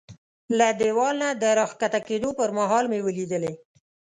له دېوال نه د را کښته کېدو پر مهال مې ولیدلې.